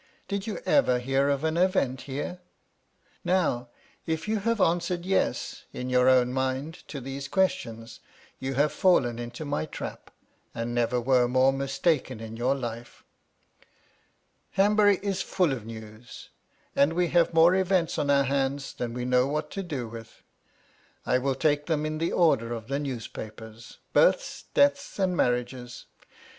Did you ever hear of an * event here ? Now, if you have answered "Yes," in your ' own mind to these questions, you have fallen into my *trap, and never were more mistaken in your life. * Hanbury is full of news ; and we have more events on * our hands than we know what to do with. I will take ' them in the order of the newspapers — births, deaths, * and marriages.